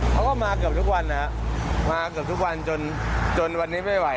เขาก็มาเกือบทุกวันนะครับมาเกือบทุกวันจนวันนี้ไม่ไหว